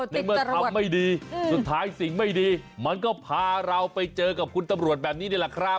ในเมื่อทำไม่ดีสุดท้ายสิ่งไม่ดีมันก็พาเราไปเจอกับคุณตำรวจแบบนี้นี่แหละครับ